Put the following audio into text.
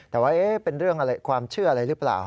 แต่ว่าเป็นเรื่องอะไรความเชื่ออะไรหรือเปล่า